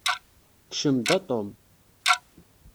Kcem-d, a Tom.